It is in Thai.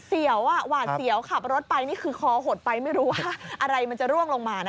วอ่ะหวาดเสียวขับรถไปนี่คือคอหดไปไม่รู้ว่าอะไรมันจะร่วงลงมานะ